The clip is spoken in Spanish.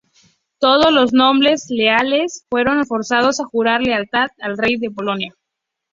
Todos los nobles leales fueron forzados a jurar lealtad al Rey de Polonia.